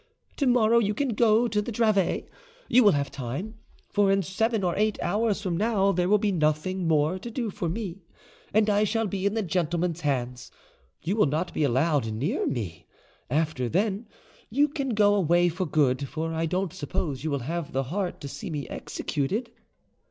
To morrow you can go to Dravet; you will have time, for in seven or eight hours from now there will be nothing more to do for me, and I shall be in the gentleman's hands; you will not be allowed near me. After then, you can go away for good; for I don't suppose you will have the heart to see me executed."